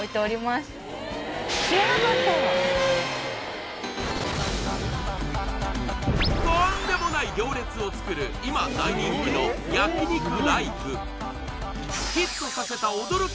へえとんでもない行列を作る今大人気の焼肉